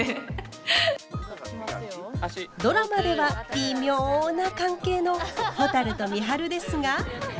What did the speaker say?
ドラマではビミョな関係のほたると美晴ですが。